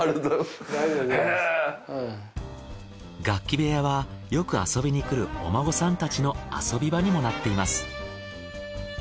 楽器部屋はよく遊びにくるお孫さんたちの遊び場にもなっています。